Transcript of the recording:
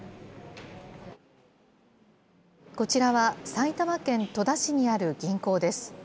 こちらは埼玉県戸田市にある銀行です。